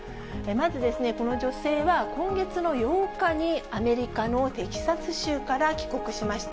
まずですね、この女性は、今月の８日にアメリカのテキサス州から帰国しました。